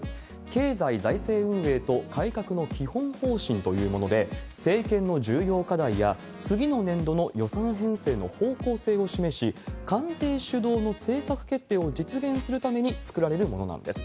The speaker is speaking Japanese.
経済財政運営と改革の基本方針というもので、政権の重要課題や次の年度の予算編成の方向性を示し、官邸主導の政策決定を実現するために作られるものなんです。